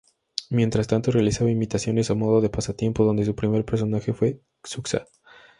Mientras tanto realizaba imitaciones a modo de pasatiempo, donde su primer personaje fue Xuxa.